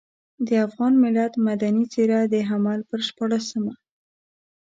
د افغان ملت مدني څېره د حمل پر شپاړلسمه.